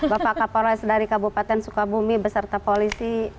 bapak kapolres dari kabupaten sukabumi beserta polisi